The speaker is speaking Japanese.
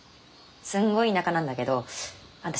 すんごい田舎なんだけどあんた